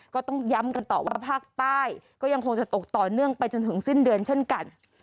ก็ต้องย้ำกันต่อว่าภาคใต้ก็ยังคงจะตกต่อเนื่องไปจนถึงสิ้นเดือนเช่นกัน